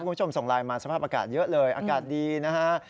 คุณผู้ชมส่งไลน์มาสภาพอากาศเยอะเลยอากาศดีนะฮะ